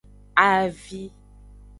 Avi.